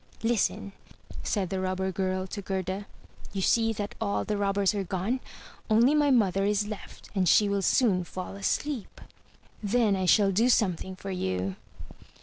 "Listen, said the Robber girl to Gerda, "you see that all the robbers are gone. Only my mother is left and she will soon fall asleep. Then I shall do something for you.